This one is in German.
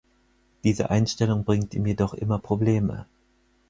Diese Einstellung bringt ihm jedoch immer Probleme.